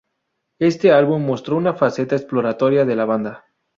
Este álbum mostró una faceta exploratoria de la banda.